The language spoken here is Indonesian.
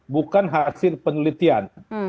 bukan hasil penelitian